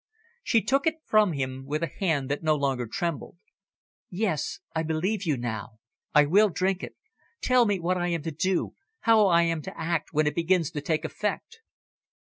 She took it from him with a hand that no longer trembled. "Yes. I believe you now. I will drink it. Tell me what I am to do, how I am to act when it begins to take effect!"